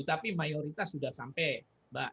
tapi mayoritas sudah sampai mbak